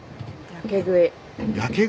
やけ食い？